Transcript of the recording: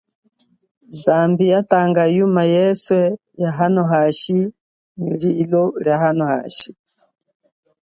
Zambi ya tanga lilo nyi hashi nyi yuma yeswe ya hano hashi.